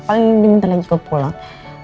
paling lebih minta lagi ke pulang